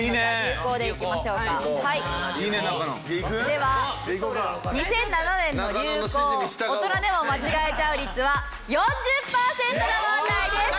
では２００７年の流行大人でも間違えちゃう率は４０パーセントの問題です。